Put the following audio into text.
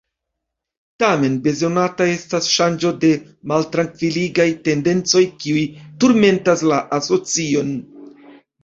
Tamen bezonata estas ŝango de maltrankviligaj tendencoj kiuj turmentas la asocion.